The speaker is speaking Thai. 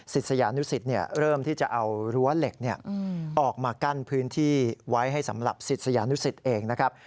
ศิษยานุสิตเริ่มที่จะเอารั้วเหล็กออกมากั้นพื้นที่ไว้ให้สำหรับศิษยานุสิตเองนะครับ